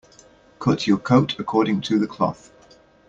Cut your coat according to the cloth.